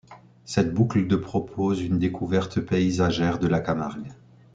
Cette boucle de propose une découverte paysagère de la Camargue.